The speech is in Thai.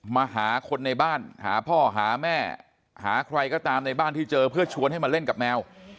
มาหาคนในบ้านหาพ่อหาแม่หาใครก็ตามในบ้านที่เจอเพื่อชวนให้มาเล่นกับแมว